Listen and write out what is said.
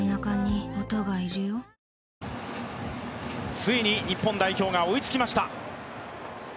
ついに日本代表が追いつきました。